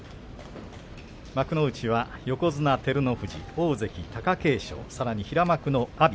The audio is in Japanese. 幕内は横綱照ノ富士大関貴景勝、さらに平幕の阿炎。